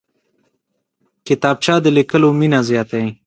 کتابچه د لیکلو مینه زیاتوي